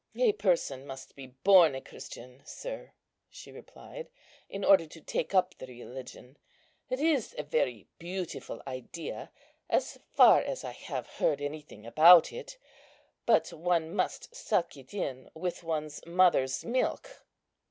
"A person must be born a Christian, sir," she replied, "in order to take up the religion. It is a very beautiful idea, as far as I have heard anything about it; but one must suck it in with one's mother's milk."